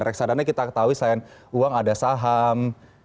reksadana kita ketahui selain uang ada saham